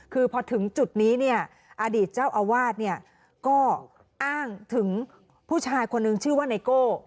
คือพอถึงจุดนี้เนี่ยอดีตเจ้าอาวาสเนี่ยก็อ้างถึงผู้ชายคนนึงชื่อว่าไนโก้